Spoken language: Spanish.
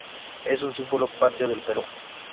Es un símbolo patrio del Perú.